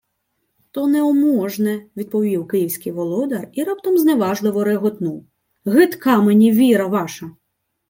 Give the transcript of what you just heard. — То неуможне, — відповів київський володар і раптом зневажливо реготнув: — Гидка мені віра ваша!